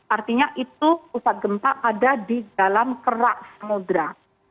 artinya itu pusat gempa ada di dalam kerak samudera